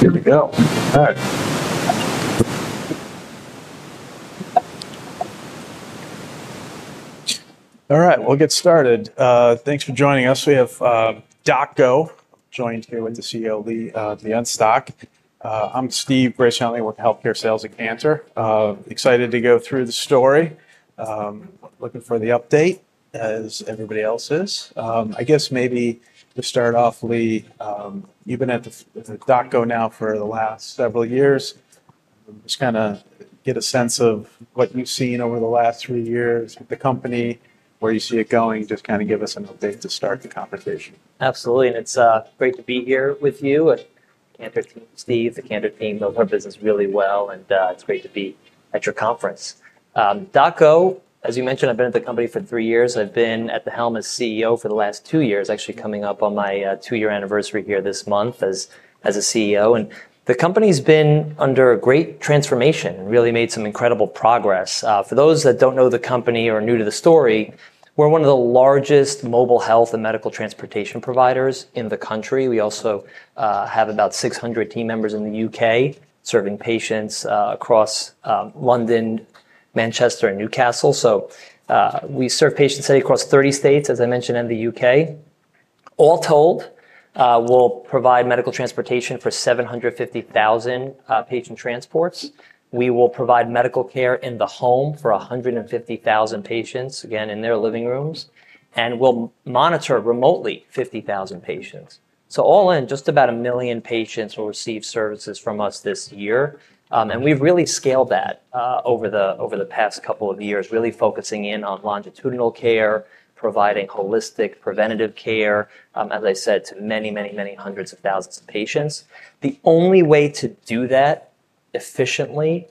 Here we go. All right. All right, we'll get started. Thanks for joining us. We have DocGo joined here with the CEO, Lee Bienstock. I'm Steve Halper with Healthcare Sales at Cantor. Excited to go through the story. Looking for the update, as everybody else is. I guess maybe to start off, Lee, you've been at DocGo now for the last several years. Just kind of get a sense of what you've seen over the last three years with the company, where you see it going. Just kind of give us an update to start the conversation. Absolutely. It's great to be here with you and the Cantor team, Steve, the Cantor team. Covers our business really well, and it's great to be at your conference. DocGo, as you mentioned, I've been at the company for three years. I've been at the helm as CEO for the last two years, actually coming up on my two-year anniversary here this month as a CEO. The company's been under a great transformation and really made some incredible progress. For those that don't know the company or are new to the story, we're one of the largest mobile health and medical transportation providers in the country. We also have about 600 team members in the U.K. serving patients across London, Manchester, and Newcastle. We serve patients across 30 states, as I mentioned, and the U.K. All told, we'll provide medical transportation for 750,000 patient transports. We will provide medical care in the home for 150,000 patients, again, in their living rooms, and we'll monitor remotely 50,000 patients, so all in, just about a million patients will receive services from us this year, and we've really scaled that over the past couple of years, really focusing in on longitudinal care, providing holistic preventative care, as I said, to many, many, many hundreds of thousands of patients. The only way to do that efficiently.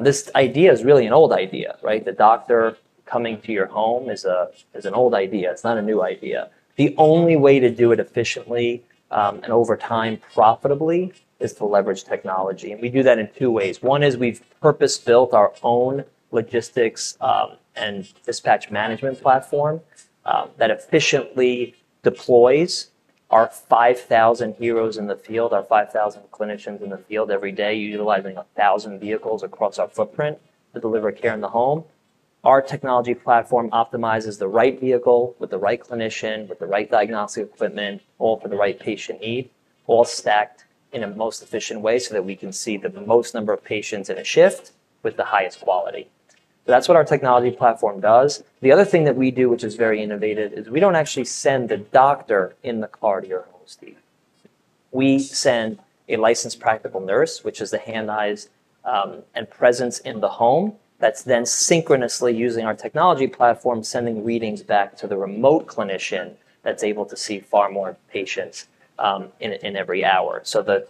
This idea is really an old idea, right? The doctor coming to your home is an old idea. It's not a new idea. The only way to do it efficiently and over time profitably is to leverage technology, and we do that in two ways. One is we've purpose-built our own logistics and dispatch management platform that efficiently deploys our 5,000 heroes in the field, our 5,000 clinicians in the field every day, utilizing 1,000 vehicles across our footprint to deliver care in the home. Our technology platform optimizes the right vehicle with the right clinician, with the right diagnostic equipment, all for the right patient need, all stacked in a most efficient way so that we can see the most number of patients in a shift with the highest quality. So that's what our technology platform does. The other thing that we do, which is very innovative, is we don't actually send the doctor in the car to your home, Steve. We send a Licensed Practical Nurse, which is the hands, eyes, and presence in the home that's then synchronously, using our technology platform, sending readings back to the remote clinician that's able to see far more patients in every hour. So the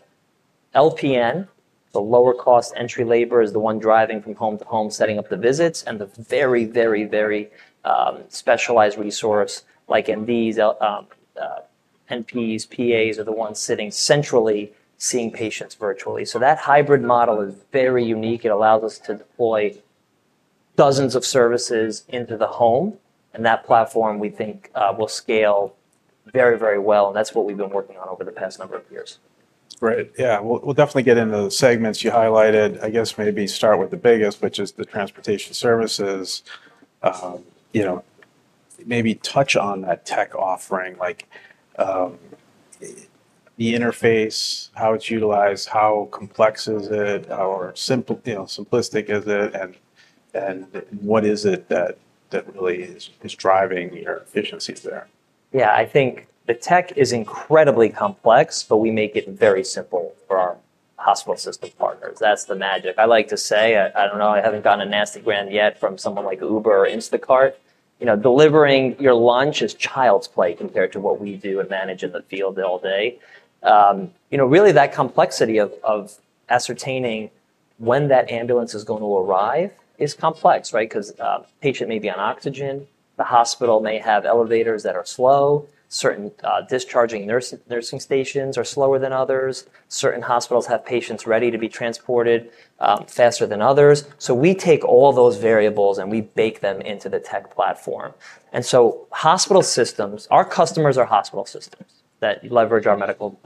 LPN, the lower-cost entry labor, is the one driving from home to home, setting up the visits, and the very, very, very specialized resource like MDs, NPs, PAs are the ones sitting centrally seeing patients virtually. So that hybrid model is very unique. It allows us to deploy dozens of services into the home. And that platform, we think, will scale very, very well. And that's what we've been working on over the past number of years. Great. Yeah. We'll definitely get into the segments you highlighted. I guess maybe start with the biggest, which is the transportation services. Maybe touch on that tech offering, like the interface, how it's utilized, how complex is it, or simplistic is it, and what is it that really is driving your efficiencies there? Yeah. I think the tech is incredibly complex, but we make it very simple for our hospital system partners. That's the magic, I like to say. I don't know. I haven't gotten a nastygram yet from someone like Uber or Instacart. Delivering your lunch is child's play compared to what we do and manage in the field all day. Really, that complexity of ascertaining when that ambulance is going to arrive is complex, right? Because a patient may be on oxygen. The hospital may have elevators that are slow. Certain discharging nursing stations are slower than others. Certain hospitals have patients ready to be transported faster than others. So we take all those variables and we bake them into the tech platform. And so hospital systems, our customers are hospital systems that leverage our medical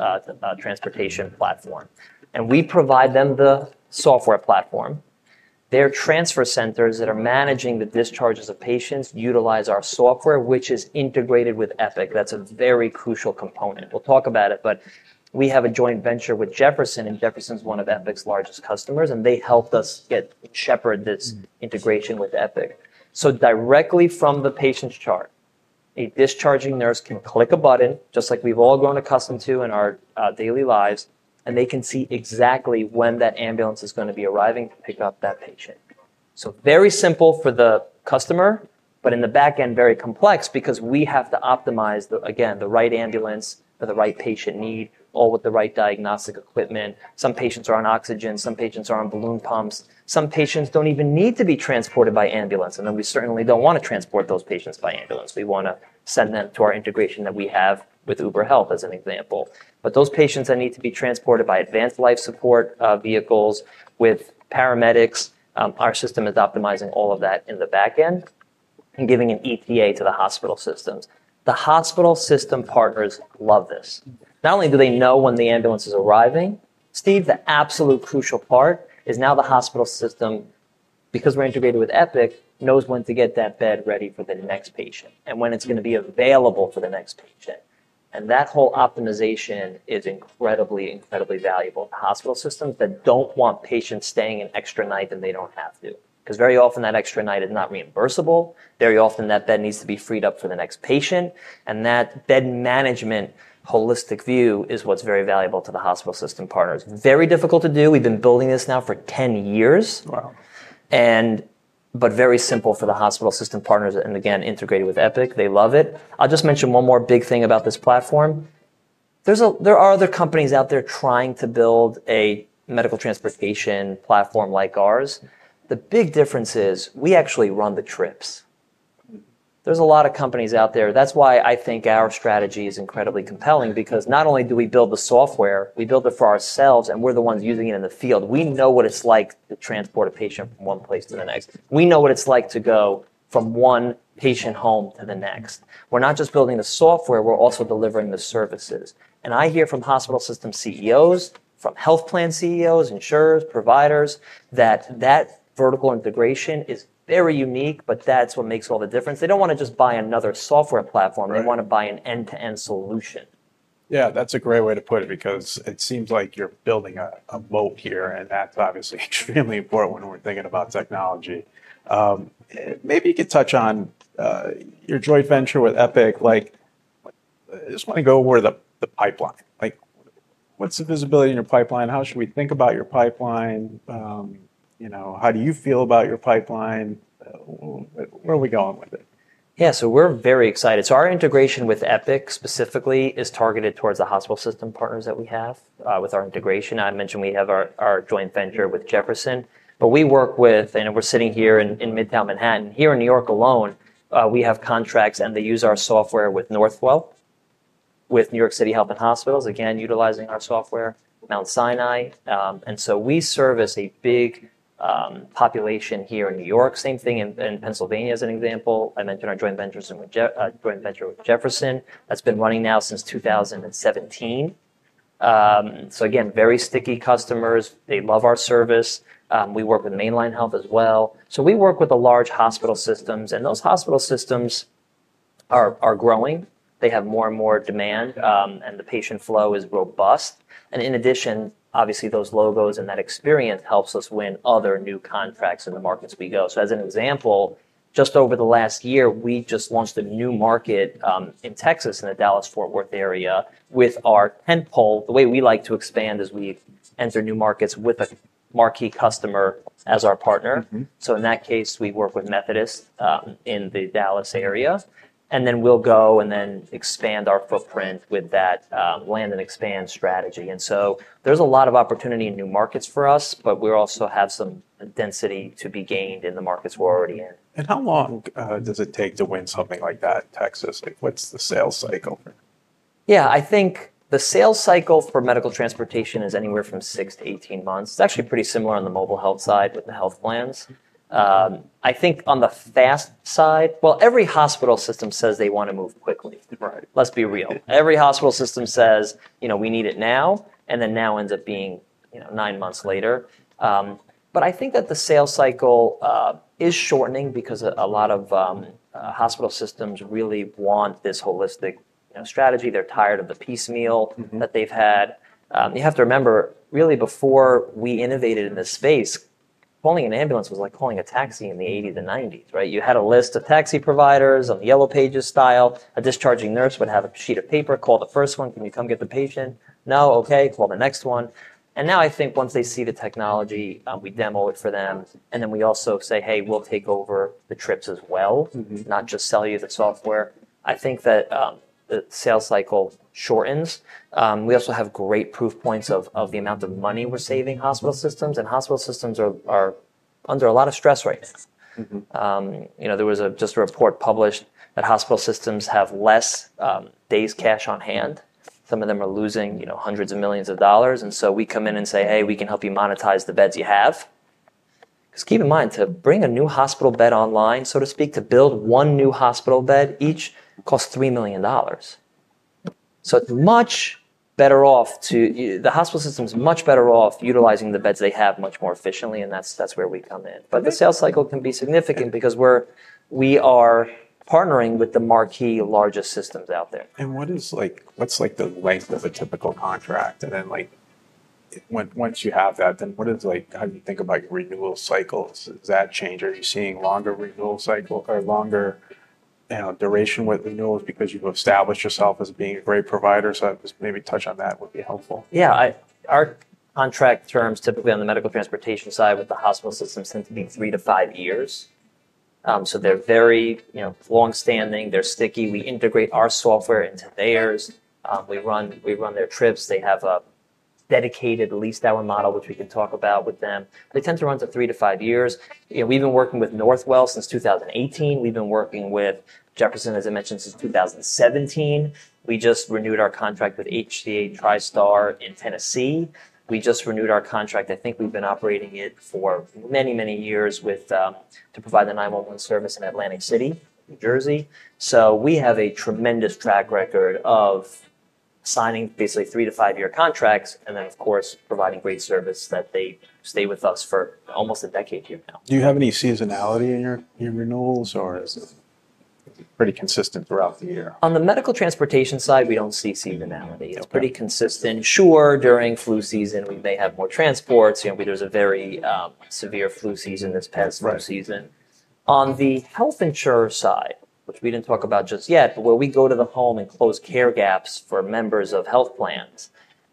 transportation platform. And we provide them the software platform. Their transfer centers that are managing the discharges of patients utilize our software, which is integrated with Epic. That's a very crucial component. We'll talk about it, but we have a joint venture with Jefferson, and Jefferson's one of Epic's largest customers, and they helped us shepherd this integration with Epic. So directly from the patient's chart, a discharging nurse can click a button, just like we've all grown accustomed to in our daily lives, and they can see exactly when that ambulance is going to be arriving to pick up that patient. So very simple for the customer, but in the back end, very complex because we have to optimize, again, the right ambulance for the right patient need, all with the right diagnostic equipment. Some patients are on oxygen. Some patients are on balloon pumps. Some patients don't even need to be transported by ambulance. And then we certainly don't want to transport those patients by ambulance. We want to send them to our integration that we have with Uber Health as an example. But those patients that need to be transported by advanced life support vehicles with paramedics, our system is optimizing all of that in the back end and giving an ETA to the hospital systems. The hospital system partners love this. Not only do they know when the ambulance is arriving, Steve, the absolute crucial part is now the hospital system, because we're integrated with Epic, knows when to get that bed ready for the next patient and when it's going to be available for the next patient. And that whole optimization is incredibly, incredibly valuable to hospital systems that don't want patients staying an extra night than they don't have to. Because very often that extra night is not reimbursable. Very often that bed needs to be freed up for the next patient, and that bed management holistic view is what's very valuable to the hospital system partners. Very difficult to do. We've been building this now for 10 years. Wow. But very simple for the hospital system partners. And again, integrated with Epic. They love it. I'll just mention one more big thing about this platform. There are other companies out there trying to build a medical transportation platform like ours. The big difference is we actually run the trips. There's a lot of companies out there. That's why I think our strategy is incredibly compelling, because not only do we build the software, we build it for ourselves, and we're the ones using it in the field. We know what it's like to transport a patient from one place to the next. We know what it's like to go from one patient home to the next. We're not just building the software. We're also delivering the services. I hear from hospital system CEOs, from health plan CEOs, insurers, providers that that vertical integration is very unique, but that's what makes all the difference. They don't want to just buy another software platform. They want to buy an end-to-end solution. Yeah, that's a great way to put it, because it seems like you're building a boat here, and that's obviously extremely important when we're thinking about technology. Maybe you could touch on your joint venture with Epic. I just want to go over the pipeline. What's the visibility in your pipeline? How should we think about your pipeline? How do you feel about your pipeline? Where are we going with it? Yeah, so we're very excited. So our integration with Epic specifically is targeted towards the hospital system partners that we have with our integration. I mentioned we have our joint venture with Jefferson, but we work with, and we're sitting here in Midtown Manhattan. Here in New York alone, we have contracts, and they use our software with Northwell, with New York City Health and Hospitals, again, utilizing our software, Mount Sinai. And so we service a big population here in New York. Same thing in Pennsylvania as an example. I mentioned our joint venture with Jefferson. That's been running now since 2017. So again, very sticky customers. They love our service. We work with Main Line Health as well. So we work with the large hospital systems, and those hospital systems are growing. They have more and more demand, and the patient flow is robust. And in addition, obviously, those logos and that experience helps us win other new contracts in the markets we go. So as an example, just over the last year, we just launched a new market in Texas in the Dallas-Fort Worth area with our tentpole. The way we like to expand is we enter new markets with a marquee customer as our partner. So in that case, we work with Methodist in the Dallas area. And then we'll go and then expand our footprint with that land and expand strategy. And so there's a lot of opportunity in new markets for us, but we also have some density to be gained in the markets we're already in. How long does it take to win something like that in Texas? What's the sales cycle? Yeah, I think the sales cycle for medical transportation is anywhere from 6-18 months. It's actually pretty similar on the mobile health side with the health plans. I think on the fast side, well, every hospital system says they want to move quickly. Right. Let's be real. Every hospital system says, "We need it now," and then now ends up being nine months later. But I think that the sales cycle is shortening because a lot of hospital systems really want this holistic strategy. They're tired of the piecemeal that they've had. You have to remember, really, before we innovated in this space, calling an ambulance was like calling a taxi in the '80s and '90s, right? You had a list of taxi providers on the Yellow Pages style. A discharging nurse would have a sheet of paper, call the first one, "Can you come get the patient?" "No, okay," call the next one. And now I think once they see the technology, we demo it for them, and then we also say, "Hey, we'll take over the trips as well, not just sell you the software." I think that the sales cycle shortens. We also have great proof points of the amount of money we're saving hospital systems, and hospital systems are under a lot of stress right now. There was just a report published that hospital systems have less days cash on hand. Some of them are losing hundreds of millions of dollars, and so we come in and say, "Hey, we can help you monetize the beds you have." Because keep in mind, to bring a new hospital bed online, so to speak, to build one new hospital bed each costs $3 million. So the hospital system is much better off utilizing the beds they have much more efficiently, and that's where we come in, but the sales cycle can be significant because we are partnering with the marquee largest systems out there. What's the length of a typical contract? Once you have that, how do you think about your renewal cycles? Does that change? Are you seeing longer renewal cycle or longer duration with renewals because you've established yourself as being a great provider? Maybe touch on that. It would be helpful. Yeah. Our contract terms typically on the medical transportation side with the hospital systems tend to be three to five years. So they're very longstanding. They're sticky. We integrate our software into theirs. We run their trips. They have a dedicated fleet-hour model, which we can talk about with them. They tend to run to three to five years. We've been working with Northwell since 2018. We've been working with Jefferson, as I mentioned, since 2017. We just renewed our contract with HCA TriStar in Tennessee. We just renewed our contract. I think we've been operating it for many, many years to provide the 911 service in Atlantic City, New Jersey. So we have a tremendous track record of signing basically three-to-five-year contracts and then, of course, providing great service that they stay with us for almost a decade here now. Do you have any seasonality in your renewals, or is it pretty consistent throughout the year? On the medical transportation side, we don't see seasonality. Pretty consistent. Sure, during flu season, we may have more transports. There's a very severe flu season this past flu season. On the health insurer side, which we didn't talk about just yet, but where we go to the home and close care gaps for members of health plans,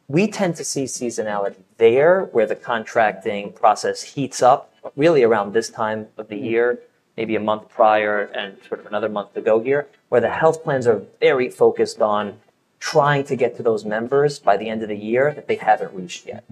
we tend to see seasonality there where the contracting process heats up, really around this time of the year, maybe a month prior and sort of another month to go here, where the health plans are very focused on trying to get to those members by the end of the year that they haven't reached yet.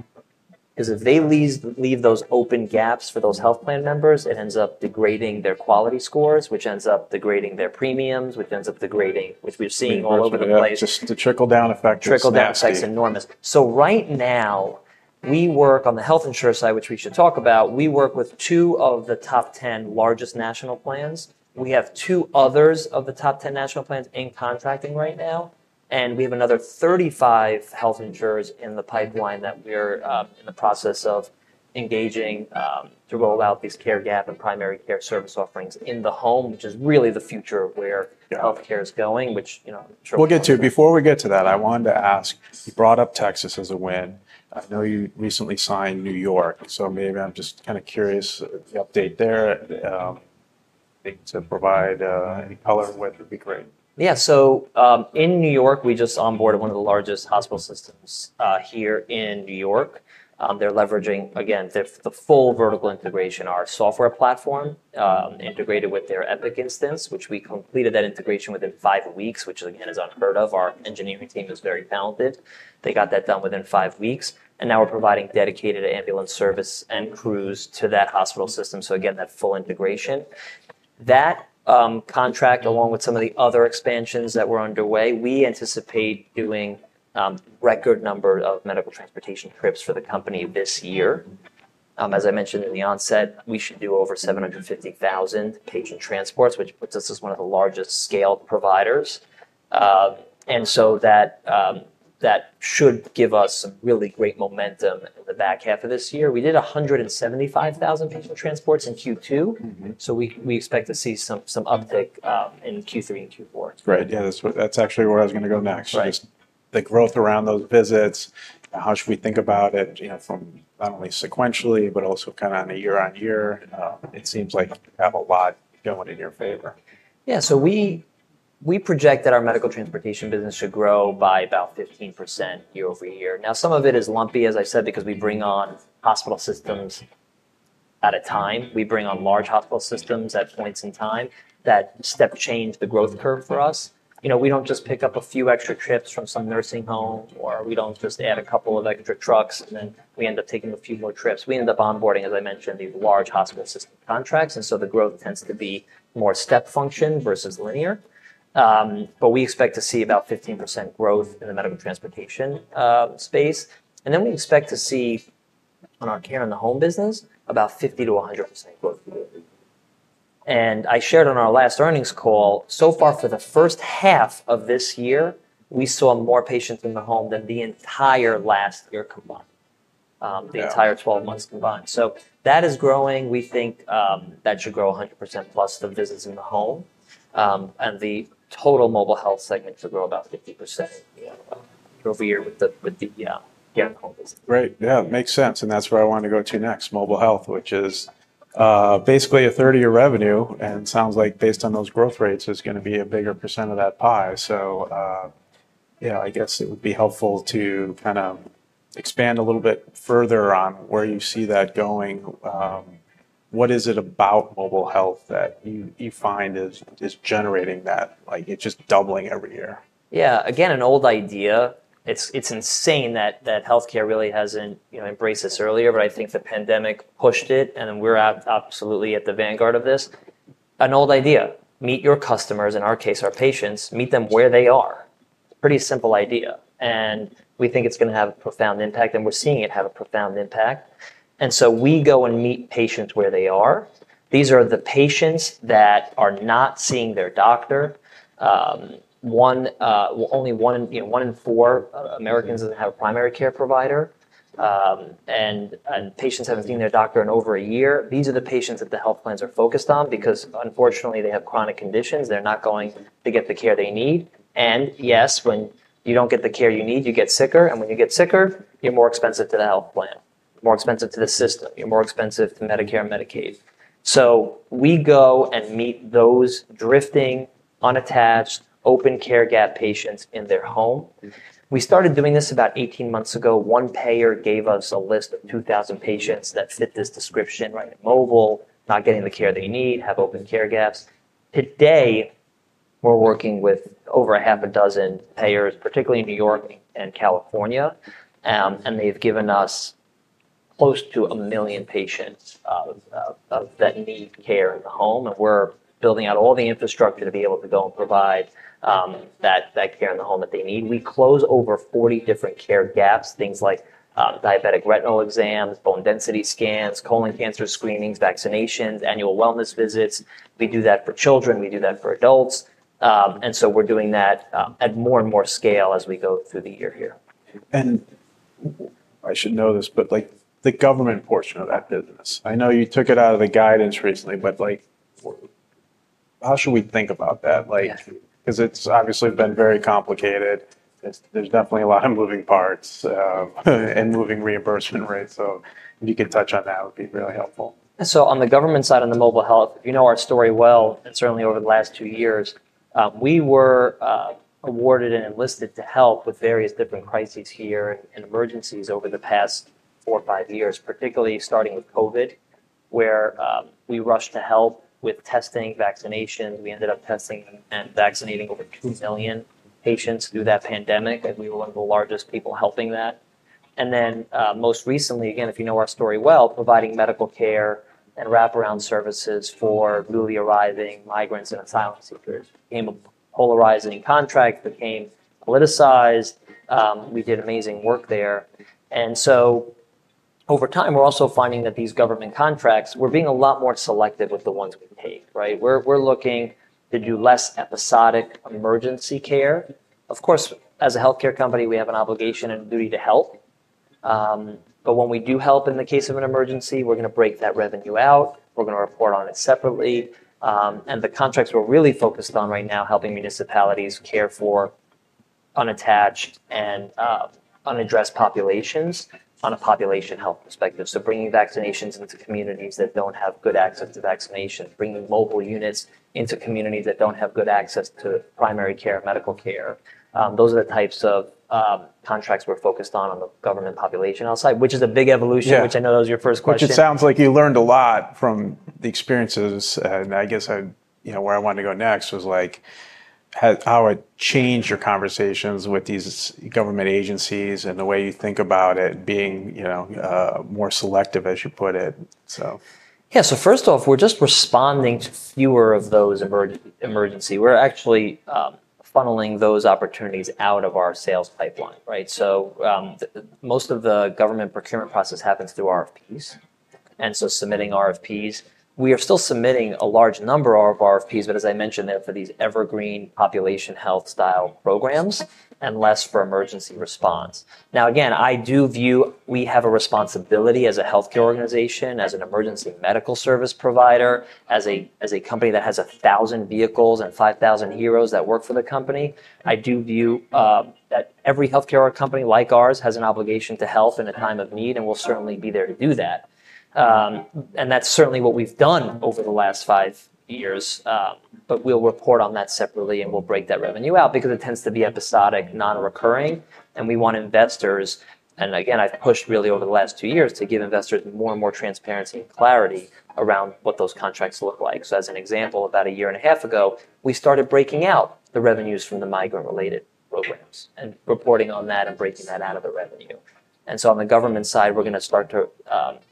Because if they leave those open gaps for those health plan members, it ends up degrading their quality scores, which ends up degrading their premiums, which ends up degrading, which we're seeing all over the place. Just the trickle-down effect. Trickle-down effect is enormous. So right now, we work on the health insurer side, which we should talk about. We work with two of the top 10 largest national plans. We have two others of the top 10 national plans in contracting right now. And we have another 35 health insurers in the pipeline that we're in the process of engaging to roll out these care gap and primary care service offerings in the home, which is really the future of where healthcare is going, which I'm sure. We'll get to. Before we get to that, I wanted to ask. You brought up Texas as a win. I know you recently signed New York, so maybe I'm just kind of curious the update there. If you can provide any color with it, it would be great. Yeah, so in New York, we just onboarded one of the largest hospital systems here in New York. They're leveraging, again, the full vertical integration, our software platform integrated with their Epic instance, which we completed that integration within five weeks, which again is unheard of. Our engineering team is very talented. They got that done within five weeks, and now we're providing dedicated ambulance service and crews to that hospital system. So again, that full integration. That contract, along with some of the other expansions that were underway, we anticipate doing a record number of medical transportation trips for the company this year. As I mentioned in the onset, we should do over 750,000 patient transports, which puts us as one of the largest scale providers, and so that should give us some really great momentum in the back half of this year. We did 175,000 patient transports in Q2, so we expect to see some uptick in Q3 and Q4. Right. Yeah, that's actually where I was going to go next. Just the growth around those visits, how should we think about it from not only sequentially, but also kind of on a year-on-year? It seems like you have a lot going in your favor. Yeah, so we project that our medical transportation business should grow by about 15% year-over-year. Now, some of it is lumpy, as I said, because we bring on hospital systems at a time. We bring on large hospital systems at points in time that step change the growth curve for us. We don't just pick up a few extra trips from some nursing home, or we don't just add a couple of extra trucks, and then we end up taking a few more trips. We end up onboarding, as I mentioned, these large hospital system contracts. And so the growth tends to be more step function versus linear. But we expect to see about 15% growth in the medical transportation space. And then we expect to see on our care in the home business about 50%-100% growth. And I shared on our last earnings call, so far for the first half of this year, we saw more patients in the home than the entire last year combined, the entire 12 months combined. So that is growing. We think that should grow 100%+ the visits in the home. And the total mobile health segment should grow about 50% year-over-year with the care in the home business. Right. Yeah, it makes sense. And that's where I wanted to go to next, mobile health, which is basically 30% of revenue. And it sounds like based on those growth rates, it's going to be a bigger percent of that pie. So yeah, I guess it would be helpful to kind of expand a little bit further on where you see that going. What is it about mobile health that you find is generating that? It's just doubling every year. Yeah, again, an old idea. It's insane that healthcare really hasn't embraced this earlier, but I think the pandemic pushed it, and we're absolutely at the vanguard of this. An old idea, meet your customers, in our case, our patients, meet them where they are. Pretty simple idea. And we think it's going to have a profound impact, and we're seeing it have a profound impact. And so we go and meet patients where they are. These are the patients that are not seeing their doctor. Only one in four Americans doesn't have a primary care provider, and patients haven't seen their doctor in over a year. These are the patients that the health plans are focused on because, unfortunately, they have chronic conditions. They're not going to get the care they need. And yes, when you don't get the care you need, you get sicker. When you get sicker, you're more expensive to the health plan, more expensive to the system. You're more expensive to Medicare and Medicaid. We go and meet those drifting, unattached, open care gap patients in their home. We started doing this about 18 months ago. One payer gave us a list of 2,000 patients that fit this description, right? Mobile, not getting the care they need, have open care gaps. Today, we're working with over a half a dozen payers, particularly in New York and California, and they've given us close to a million patients that need care in the home. We're building out all the infrastructure to be able to go and provide that care in the home that they need. We close over 40 different care gaps, things like diabetic retinal exams, bone density scans, colon cancer screenings, vaccinations, annual wellness visits. We do that for children. We do that for adults. And so we're doing that at more and more scale as we go through the year here. And I should know this, but the government portion of that business, I know you took it out of the guidance recently, but how should we think about that? Because it's obviously been very complicated. There's definitely a lot of moving parts and moving reimbursement rates. So if you could touch on that, it would be really helpful. So on the government side on the mobile health, if you know our story well, and certainly over the last two years, we were awarded and enlisted to help with various different crises here and emergencies over the past four or five years, particularly starting with COVID, where we rushed to help with testing, vaccinations. We ended up testing and vaccinating over 2 million patients through that pandemic, and we were one of the largest people helping that. And then most recently, again, if you know our story well, providing medical care and wraparound services for newly arriving migrants and asylum seekers became a polarizing contract, became politicized. We did amazing work there. And so over time, we're also finding that these government contracts, we're being a lot more selective with the ones we take, right? We're looking to do less episodic emergency care. Of course, as a healthcare company, we have an obligation and duty to help. But when we do help in the case of an emergency, we're going to break that revenue out. We're going to report on it separately. And the contracts we're really focused on right now are helping municipalities care for unattached and unaddressed populations on a population health perspective. So bringing vaccinations into communities that don't have good access to vaccination, bringing mobile units into communities that don't have good access to primary care, medical care. Those are the types of contracts we're focused on the government population outside, which is a big evolution, which I know that was your first question. Which it sounds like you learned a lot from the experiences, and I guess where I wanted to go next was how it changed your conversations with these government agencies and the way you think about it being more selective, as you put it. Yeah, so first off, we're just responding to fewer of those emergencies. We're actually funneling those opportunities out of our sales pipeline, right? So most of the government procurement process happens through RFPs, and so submitting RFPs, we are still submitting a large number of RFPs, but as I mentioned, they're for these evergreen population health style programs and less for emergency response. Now, again, I do view we have a responsibility as a healthcare organization, as an emergency medical service provider, as a company that has 1,000 vehicles and 5,000 heroes that work for the company. I do view that every healthcare company like ours has an obligation to health in a time of need and will certainly be there to do that, and that's certainly what we've done over the last five years. But we'll report on that separately and we'll break that revenue out because it tends to be episodic, non-recurring. And we want investors, and again, I've pushed really over the last two years to give investors more and more transparency and clarity around what those contracts look like. So as an example, about a year and a half ago, we started breaking out the revenues from the migrant-related programs and reporting on that and breaking that out of the revenue. And so on the government side, we're going to start to,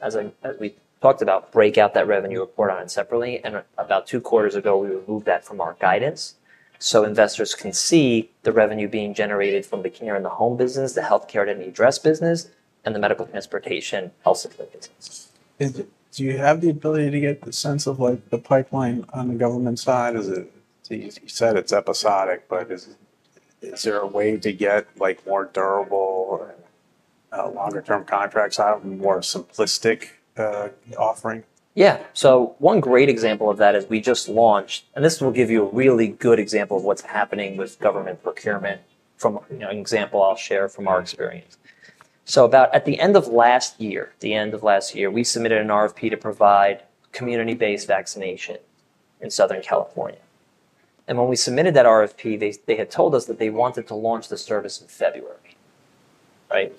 as we talked about, break out that revenue report on it separately. And about two quarters ago, we removed that from our guidance so investors can see the revenue being generated from the care in the home business, the healthcare to the address business, and the medical transportation health support business. Do you have the ability to get a sense of the pipeline on the government side? You said it's episodic, but is there a way to get more durable, longer-term contracts out of a more simplistic offering? Yeah. So one great example of that is we just launched, and this will give you a really good example of what's happening with government procurement from an example I'll share from our experience. So about at the end of last year, the end of last year, we submitted an RFP to provide community-based vaccination in Southern California. And when we submitted that RFP, they had told us that they wanted to launch the service in February, right?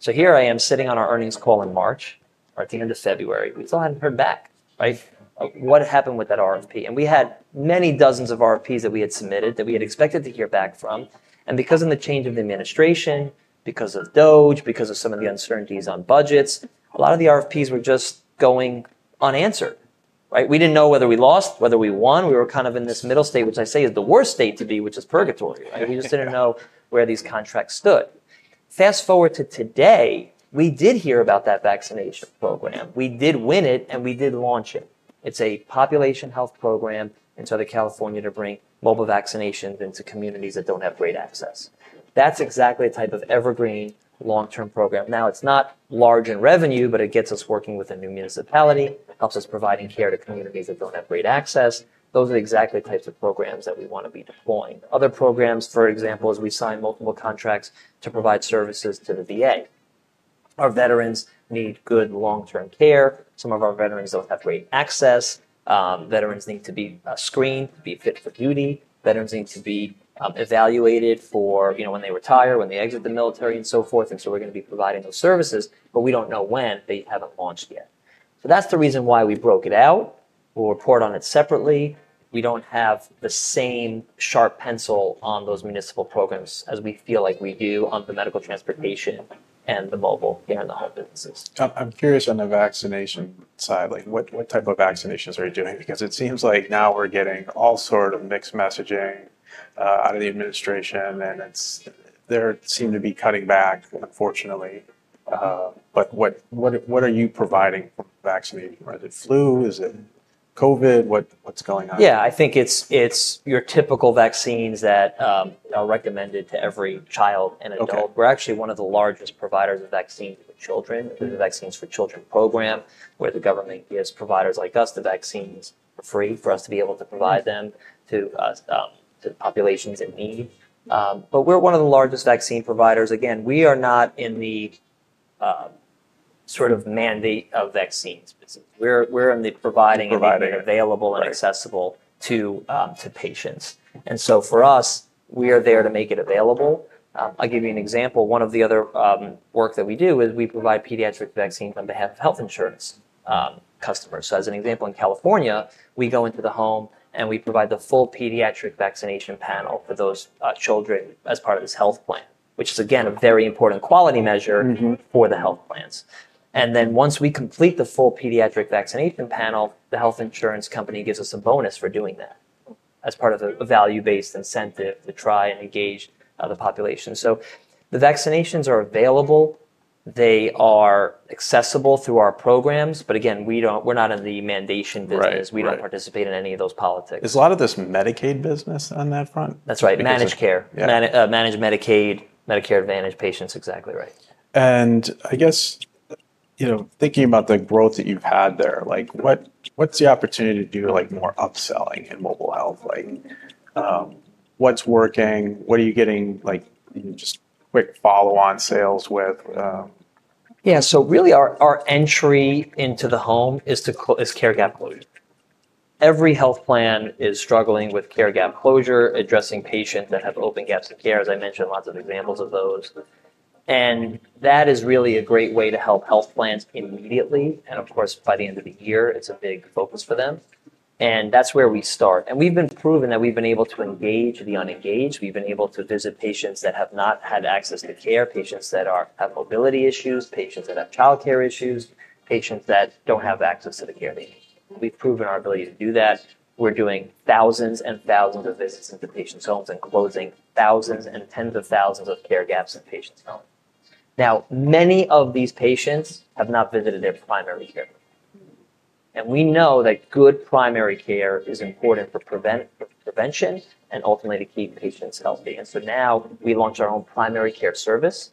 So here I am sitting on our earnings call in March, or at the end of February. We still hadn't heard back, right? What had happened with that RFP? And we had many dozens of RFPs that we had submitted that we had expected to hear back from. And because of the change of the administration, because of DOGE, because of some of the uncertainties on budgets, a lot of the RFPs were just going unanswered, right? We didn't know whether we lost, whether we won. We were kind of in this middle state, which I say is the worst state to be, which is purgatory, right? We just didn't know where these contracts stood. Fast forward to today, we did hear about that vaccination program. We did win it, and we did launch it. It's a population health program in Southern California to bring mobile vaccinations into communities that don't have great access. That's exactly the type of evergreen long-term program. Now, it's not large in revenue, but it gets us working with a new municipality, helps us provide care to communities that don't have great access. Those are exactly the types of programs that we want to be deploying. Other programs, for example, as we sign multiple contracts to provide services to the VA, our veterans need good long-term care. Some of our veterans don't have great access. Veterans need to be screened to be fit for duty. Veterans need to be evaluated for when they retire, when they exit the military, and so forth, and so we're going to be providing those services, but we don't know when. They haven't launched yet, so that's the reason why we broke it out. We'll report on it separately. We don't have the same sharp pencil on those municipal programs as we feel like we do on the medical transportation and the mobile care in the home businesses. I'm curious on the vaccination side. What type of vaccinations are you doing? Because it seems like now we're getting all sorts of mixed messaging out of the administration, and there seem to be cutting back, unfortunately. But what are you providing for vaccination? Is it flu? Is it COVID? What's going on? Yeah, I think it's your typical vaccines that are recommended to every child and adult. We're actually one of the largest providers of vaccines for children, the Vaccines for Children program, where the government gives providers like us the vaccines for free for us to be able to provide them to populations in need. But we're one of the largest vaccine providers. Again, we are not in the sort of mandate of vaccines business. We're in the providing and making it available and accessible to patients. And so for us, we are there to make it available. I'll give you an example. One of the other works that we do is we provide pediatric vaccines on behalf of health insurance customers. So as an example, in California, we go into the home and we provide the full pediatric vaccination panel for those children as part of this health plan, which is, again, a very important quality measure for the health plans. And then once we complete the full pediatric vaccination panel, the health insurance company gives us a bonus for doing that as part of a value-based incentive to try and engage the population. So the vaccinations are available. They are accessible through our programs. But again, we're not in the mandating business. We don't participate in any of those politics. Is a lot of this Medicaid business on that front? That's right. Managed care. Managed Medicaid, Medicare Advantage patients, exactly right. I guess thinking about the growth that you've had there, what's the opportunity to do more upselling in mobile health? What's working? What are you getting just quick follow-on sales with? Yeah. So really our entry into the home is care gap closure. Every health plan is struggling with care gap closure, addressing patients that have open gaps in care, as I mentioned, lots of examples of those. And that is really a great way to help health plans immediately. And of course, by the end of the year, it's a big focus for them. And that's where we start. And we've been proven that we've been able to engage the unengaged. We've been able to visit patients that have not had access to care, patients that have mobility issues, patients that have childcare issues, patients that don't have access to the care they need. We've proven our ability to do that. We're doing thousands and thousands of visits into patients' homes and closing thousands and tens of thousands of care gaps in patients' homes. Now, many of these patients have not visited their primary care, and we know that good primary care is important for prevention and ultimately to keep patients healthy. And so now we launched our own primary care service,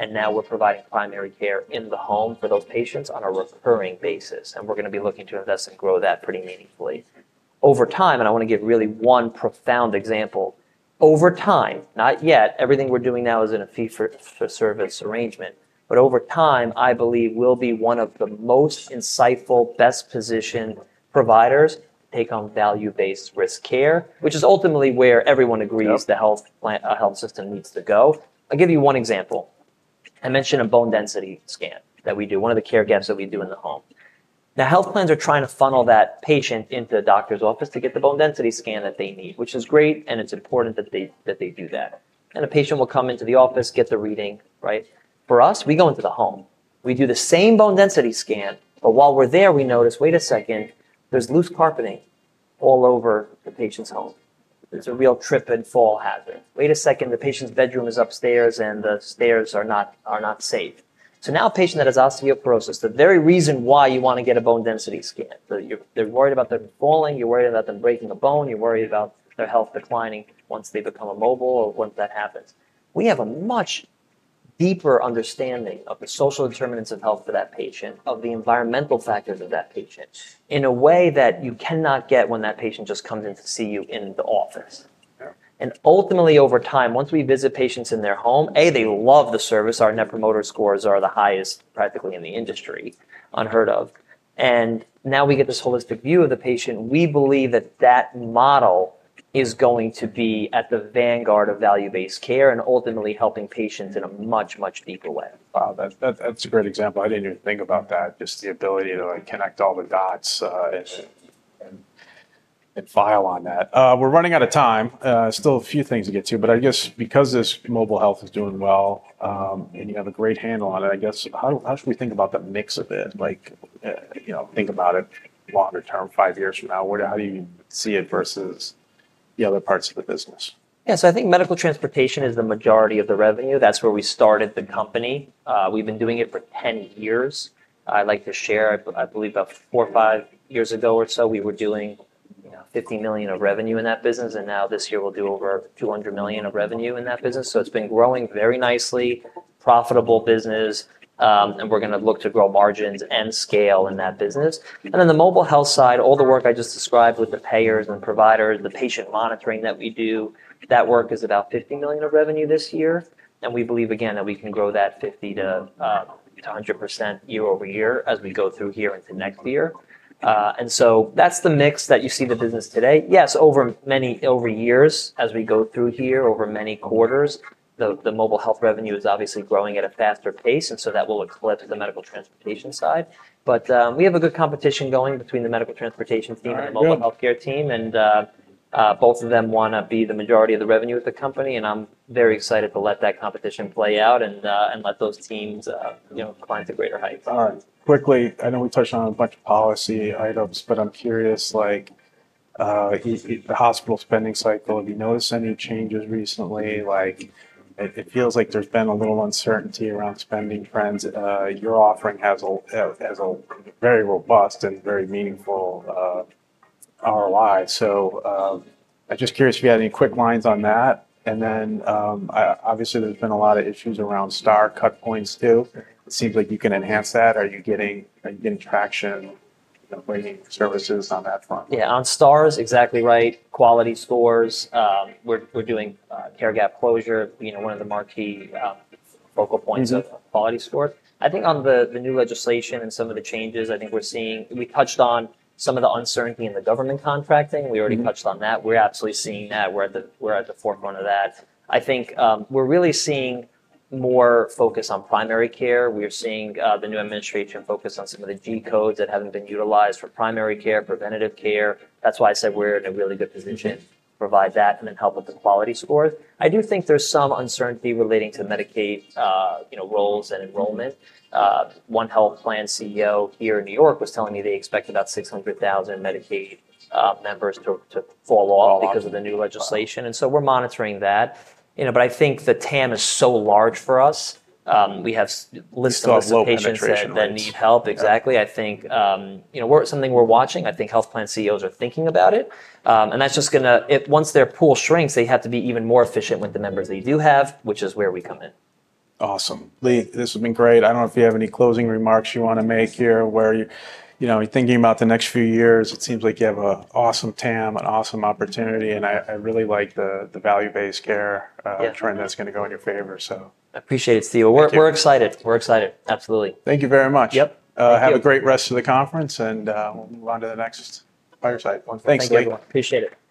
and now we're providing primary care in the home for those patients on a recurring basis, and we're going to be looking to invest and grow that pretty meaningfully over time, and I want to give really one profound example. Over time, not yet. Everything we're doing now is in a fee-for-service arrangement, but over time, I believe we'll be one of the most insightful, best-positioned providers to take on value-based risk care, which is ultimately where everyone agrees the health system needs to go. I'll give you one example. I mentioned a bone density scan that we do, one of the care gaps that we do in the home. Now, health plans are trying to funnel that patient into the doctor's office to get the bone density scan that they need, which is great, and it's important that they do that. And a patient will come into the office, get the reading, right? For us, we go into the home. We do the same bone density scan, but while we're there, we notice, "Wait a second, there's loose carpeting all over the patient's home. There's a real trip and fall hazard. Wait a second, the patient's bedroom is upstairs and the stairs are not safe." So now a patient that has osteoporosis, the very reason why you want to get a bone density scan, they're worried about them falling, you're worried about them breaking a bone, you're worried about their health declining once they become immobile or once that happens. We have a much deeper understanding of the social determinants of health for that patient, of the environmental factors of that patient in a way that you cannot get when that patient just comes in to see you in the office. And ultimately, over time, once we visit patients in their home, A, they love the service. Our Net Promoter Scores are the highest practically in the industry, unheard of. And now we get this holistic view of the patient. We believe that that model is going to be at the vanguard of value-based care and ultimately helping patients in a much, much deeper way. Wow, that's a great example. I didn't even think about that, just the ability to connect all the dots and file on that. We're running out of time. Still a few things to get to, but I guess because this mobile health is doing well and you have a great handle on it, I guess how should we think about the mix of it? Think about it longer-term, five years from now. How do you see it versus the other parts of the business? Yeah, so I think medical transportation is the majority of the revenue. That's where we started the company. We've been doing it for 10 years. I'd like to share, I believe about four or five years ago or so, we were doing $50 million of revenue in that business, and now this year we'll do over $200 million of revenue in that business, so it's been growing very nicely, profitable business, and we're going to look to grow margins and scale in that business, and then the mobile health side, all the work I just described with the payers and providers, the patient monitoring that we do, that work is about $50 million of revenue this year, and we believe, again, that we can grow that 50%-100% year-over-year as we go through here into next year. And so that's the mix that you see the business today. Yes, over many years, as we go through here, over many quarters, the mobile health revenue is obviously growing at a faster pace, and so that will eclipse the medical transportation side. But we have a good competition going between the medical transportation team and the mobile healthcare team, and both of them want to be the majority of the revenue at the company. And I'm very excited to let that competition play out and let those teams climb to greater heights. All right. Quickly, I know we touched on a bunch of policy items, but I'm curious, the hospital spending cycle, have you noticed any changes recently? It feels like there's been a little uncertainty around spending trends. Your offering has a very robust and very meaningful ROI. So I'm just curious if you had any quick lines on that. And then obviously there's been a lot of issues around Star cut points too. It seems like you can enhance that. Are you getting traction, bringing services on that front? Yeah, on Stars, exactly right. Quality scores. We're doing care gap closure, one of the marquee focal points of quality scores. I think on the new legislation and some of the changes I think we're seeing, we touched on some of the uncertainty in the government contracting. We already touched on that. We're absolutely seeing that. We're at the forefront of that. I think we're really seeing more focus on primary care. We're seeing the new administration focus on some of the G codes that haven't been utilized for primary care, preventative care. That's why I said we're in a really good position to provide that and then help with the quality scores. I do think there's some uncertainty relating to Medicaid rolls and enrollment. One health plan CEO here in New York was telling me they expect about 600,000 Medicaid members to fall off because of the new legislation. And so we're monitoring that. But I think the TAM is so large for us. We have lists of patients that need help. Exactly. I think something we're watching. I think health plan CEOs are thinking about it. And that's just going to, once their pool shrinks, they have to be even more efficient with the members they do have, which is where we come in. Awesome. Lee, this has been great. I don't know if you have any closing remarks you want to make here where you're thinking about the next few years. It seems like you have an awesome TAM, an awesome opportunity. And I really like the value-based care trend that's going to go in your favor, so. Appreciate it, Steve. We're excited. We're excited. Absolutely. Thank you very much. Yep. Have a great rest of the conference, and we'll move on to the next fireside one. Thanks, everyone. Appreciate it.